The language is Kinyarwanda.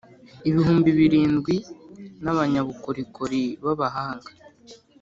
ibihumbi birindwi n abanyabukorikori b abahanga